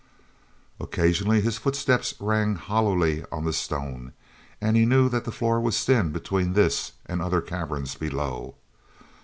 Occasionally his footsteps rang hollowly on the stone, and he knew that the floor was thin between this and other caverns below.